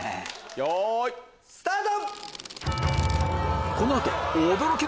よいスタート！